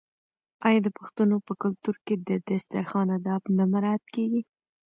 آیا د پښتنو په کلتور کې د دسترخان اداب نه مراعات کیږي؟